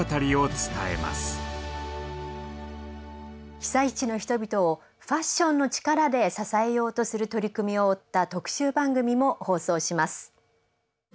被災地の人々をファッションの力で支えようとする取り組みを追った特集番組も放送します。